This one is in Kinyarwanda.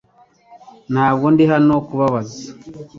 Ntabwo ndi hano kubabaza.